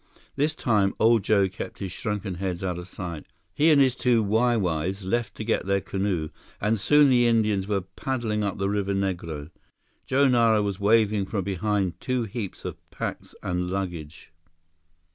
This time old Joe kept his shrunken heads out of sight. He and his two Wai Wais left to get their canoe, and soon the Indians were paddling up the Rio Negro. Joe Nara was waving from between two heaps of packs and luggage.